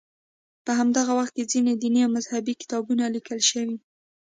په همدغه وخت کې ځینې دیني او مذهبي کتابونه لیکل شوي.